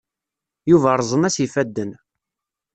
Yuba rrẓen-as yifadden.